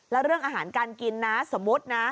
แล้วเรื่องอาหารการกินนะสมมุตินะ